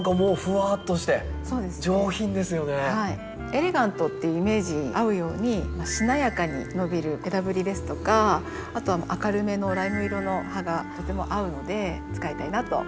エレガントっていうイメージに合うようにしなやかに伸びる枝ぶりですとかあとは明るめのライム色の葉がとても合うので使いたいなと思って。